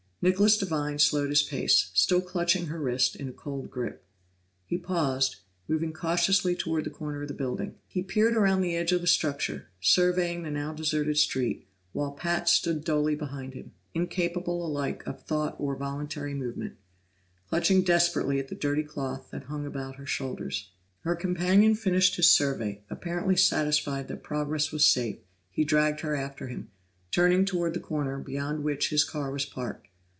Nicholas Devine slowed his pace, still clutching her wrist in a cold grip; he paused, moving cautiously toward the corner of the building. He peered around the edge of the structure, surveying the now deserted street, while Pat stood dully behind him, incapable alike of thought or voluntary movement, clutching desperately at the dirty cloth that hung about her shoulders. Her companion finished his survey; apparently satisfied that progress was safe, he dragged her after him, turning toward the corner beyond which his car was parked.